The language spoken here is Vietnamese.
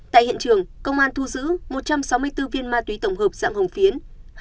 tại hiện trường công an thu giữ một trăm sáu mươi bốn viên ma túy tổng hợp dạng hồng phiến